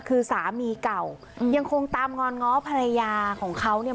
คือสามีเก่าอืมยังคงตามงอนง้อภรรยาของเขาเนี่ย